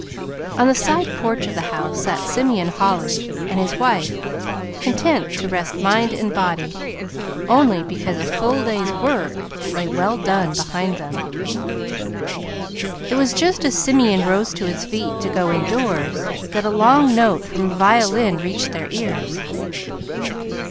On the side porch of the house sat Simeon Holly and his wife, content to rest mind and body only because a full day's work lay well done behind them. It was just as Simeon rose to his feet to go indoors that a long note from a violin reached their ears.